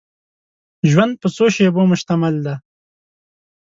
ژوند په څو شېبو مشتمل دی.